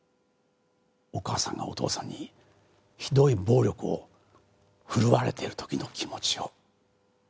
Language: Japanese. お母さんがお父さんにひどい暴力を振るわれてる時の気持ちを。